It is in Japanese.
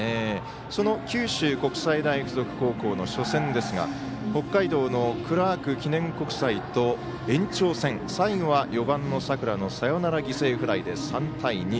その九州国際大付属の初戦ですが北海道のクラーク記念国際と延長戦、最後は４番の佐倉のサヨナラ犠牲フライで３対２。